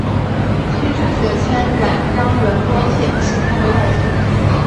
七世雪谦冉江仁波切是他的外孙。